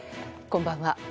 こんばんは。